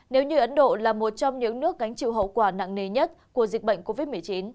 nếu như ấn độ là một trong những nước gánh chịu hậu quả nặng nề nhất của dịch bệnh covid một mươi chín